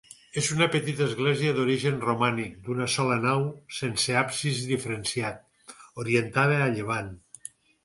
És una petita església d'origen romànic d'una sola nau sense absis diferenciat, orientada a llevant.